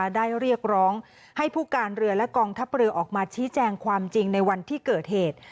ได้เรียกร้องให้ผู้การเรือและกองทัพเรือออกมาชี้แจงความจริงในวันที่เกิดเหตุ